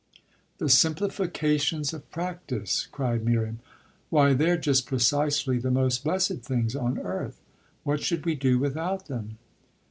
"The simplifications of practice?" cried Miriam. "Why they're just precisely the most blessed things on earth. What should we do without them?"